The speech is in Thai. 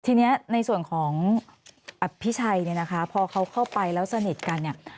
ทีนี้ในส่วนของอภิชัยเนี่ยนะคะพอเขาเข้าไปแล้วสนิทกันเนี่ย